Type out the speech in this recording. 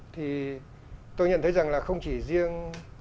thì tôi nhận thấy rằng là không chỉ riêng